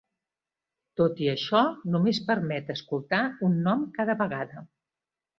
Tot i això, només permet escoltar un nom cada vegada.